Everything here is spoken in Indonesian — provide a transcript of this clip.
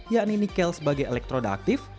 yakni nikel sebagai elektroda aktif